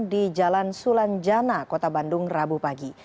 di jalan sulanjana kota bandung rabu pagi